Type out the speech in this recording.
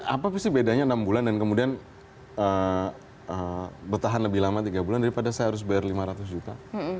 apa sih bedanya enam bulan dan kemudian bertahan lebih lama tiga bulan daripada saya harus bayar lima ratus juta